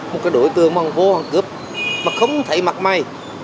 một cái đuổi tường mà không thấy mặt may